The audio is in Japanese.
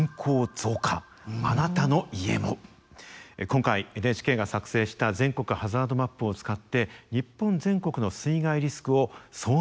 今回ＮＨＫが作成した全国ハザードマップを使って日本全国の水害リスクを総点検いたしました。